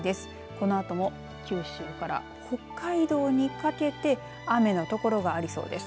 このあとも九州から北海道にかけて雨の所がありそうです。